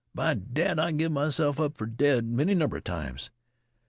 By dad, I give myself up fer dead any number 'a times.